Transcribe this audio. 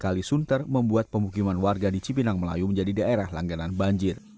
kali sunter membuat pemukiman warga di cipinang melayu menjadi daerah langganan banjir